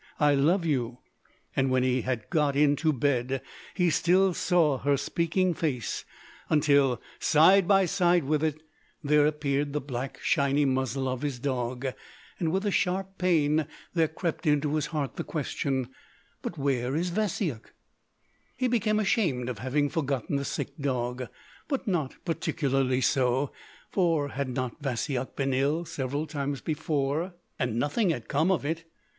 I love you!" And when he had got into bed, he still saw her speaking face, until side by side with it there appeared the black shiny muzzle of his dog, and with a sharp pain there crept into his heart the question: "But where is Vasyuk?" He became ashamed of having forgotten the sick dog—but not particularly so: for had not Vasyuk been ill several times before, and nothing had come of it.